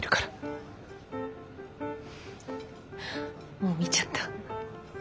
もう見ちゃった。